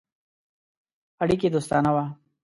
اړیکي دوستانه وه.